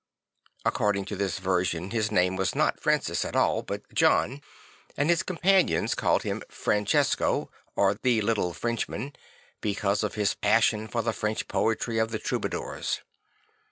According to this version, his name was not Francis at all but John; and his companions called him II Fran cesco II or II The little Frenchman II because of his passion for the French poetry of the Trouba dours.